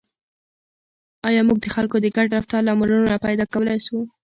آیا موږ د خلکو د ګډ رفتار لاملونه پیدا کولای شو؟